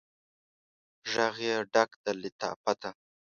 ږغ یې ډک د لطافته